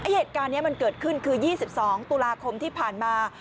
เหตุการณ์นี้มันเกิดขึ้นคือ๒๒ตุลาคมที่ผ่านมา